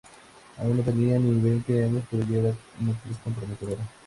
Aún no tenía ni veinte años, pero ya era una actriz prometedora.